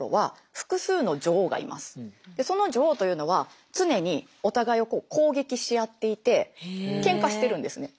その女王というのは常にお互いを攻撃し合っていてケンカしてるんですね。